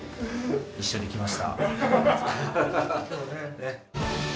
一緒に来ました。